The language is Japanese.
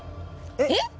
えっ？